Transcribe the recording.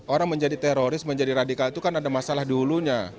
orang menjadi teroris menjadi radikal itu kan ada masalah di hulunya